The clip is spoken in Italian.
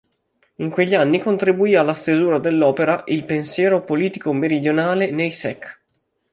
In quegli anni contribuì alla stesura dell'opera "Il pensiero politico meridionale nei sec.